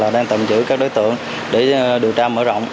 đang tạm giữ các đối tượng để điều tra mở rộng